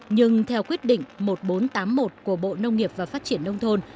nhưng theo quyết định một nghìn bốn trăm tám mươi một của bộ nông nghiệp và phát triển nông thôn